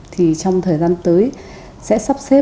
thì trong thời gian tới sẽ sắp xếp